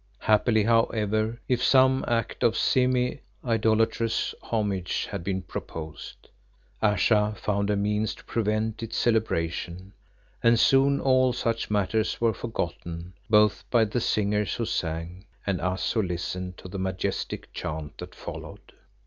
Happily however, if some act of semi idolatrous homage had been proposed, Ayesha found a means to prevent its celebration, and soon all such matters were forgotten both by the singers who sang, and us who listened to the majestic chant that followed.